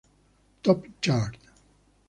Top Chart